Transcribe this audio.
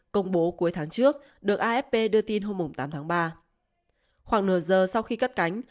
công bố cuối tháng trước được afp đưa tin hôm tám tháng ba khoảng nửa giờ sau khi cắt cánh